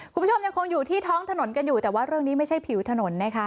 คุณผู้ชมยังคงอยู่ที่ท้องถนนกันอยู่แต่ว่าเรื่องนี้ไม่ใช่ผิวถนนนะคะ